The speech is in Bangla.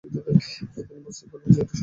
তিনি বুঝতে পারলেন যে, এটা শয়তানের কাজ।